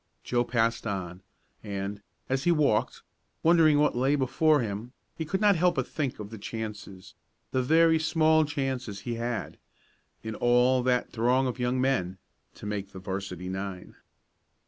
Joe passed on, and, as he walked, wondering what lay before him, he could not help but think of the chances the very small chances he had in all that throng of young men to make the 'varsity nine.